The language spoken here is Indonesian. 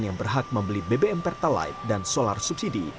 yang berhak membeli bbm pertalite dan solar subsidi